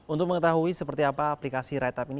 untuk mengetahui seperti apa aplikasi rideup ini